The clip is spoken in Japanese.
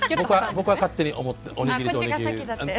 僕は勝手に思っておにぎりとおにぎり。